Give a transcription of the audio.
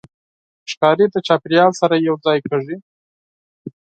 ښکاري د چاپېریال سره یوځای کېږي.